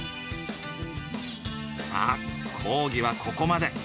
さあ講義はここまで。